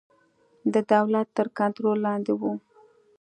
د دولت تر کنټرول لاندې وو.